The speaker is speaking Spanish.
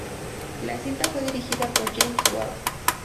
La cinta fue dirigida por James Whale.